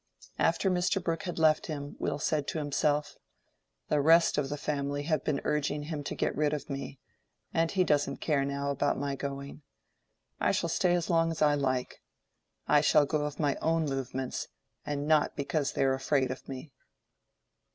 After Mr. Brooke had left him Will said to himself, "The rest of the family have been urging him to get rid of me, and he doesn't care now about my going. I shall stay as long as I like. I shall go of my own movements and not because they are afraid of me."